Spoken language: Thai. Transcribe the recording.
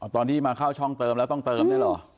ตอนที่มาเข้าช่องเติมแล้วต้องเติมด้วยเหรอ